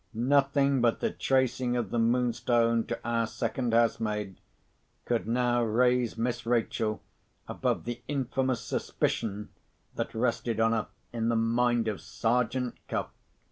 Nothing but the tracing of the Moonstone to our second housemaid could now raise Miss Rachel above the infamous suspicion that rested on her in the mind of Sergeant Cuff.